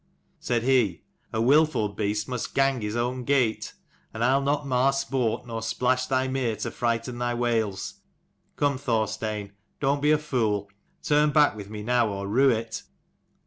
Said he, "A wilful beast must gang his own gate, and I'll not mar sport, nor splash thy mere to frighten thy whales. Come, Thorstein, don't be a fool. Turn back with me now, or rue it!"